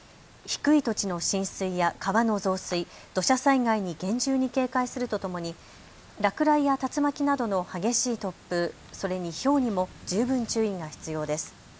低い土地の浸水や川の増水、土砂災害に厳重に警戒するとともに落雷や竜巻などの激しい突風、それにひょうにも十分注意が必要です。